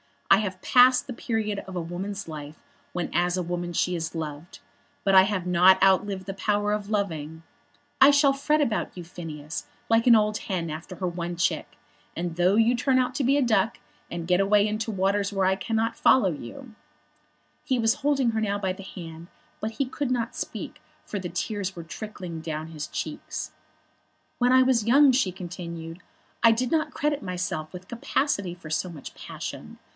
I have passed the period of a woman's life when as a woman she is loved; but I have not outlived the power of loving. I shall fret about you, Phineas, like an old hen after her one chick; and though you turn out to be a duck, and get away into waters where I cannot follow you, I shall go cackling round the pond, and always have my eye upon you." He was holding her now by the hand, but he could not speak for the tears were trickling down his cheeks. "When I was young," she continued, "I did not credit myself with capacity for so much passion.